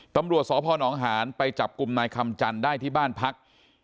ตำรวจสพนหานไปจับกลุ่มนายคำจันทร์ได้ที่บ้านพัก